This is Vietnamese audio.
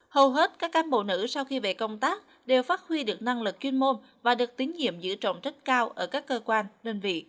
hầu hết các cán bộ nữ sau khi về công tác đều phát huy được năng lực chuyên môn và được tín nhiệm giữ trọng trách cao ở các cơ quan đơn vị